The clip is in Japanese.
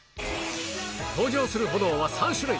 登場する炎は３種類。